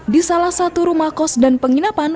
di salah satu rumah kos dan penginapan